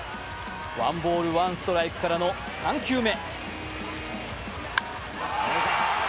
ワンボールワンストライクからの３球目。